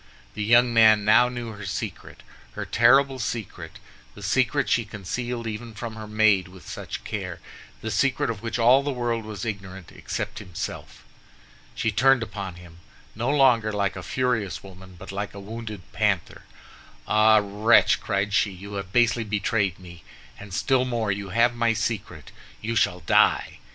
The young man now knew her secret, her terrible secret—the secret she concealed even from her maid with such care, the secret of which all the world was ignorant, except himself. She turned upon him, no longer like a furious woman, but like a wounded panther. "Ah, wretch!" cried she, "you have basely betrayed me, and still more, you have my secret! You shall die."